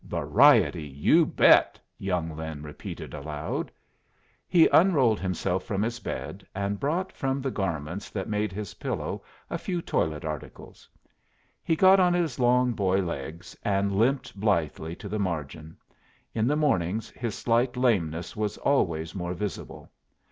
"Variety, you bet!" young Lin repeated, aloud. He unrolled himself from his bed, and brought from the garments that made his pillow a few toilet articles. He got on his long boy legs and limped blithely to the margin. In the mornings his slight lameness was always more visible.